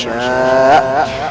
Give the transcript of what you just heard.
sekarang rasakan tenaga dalamku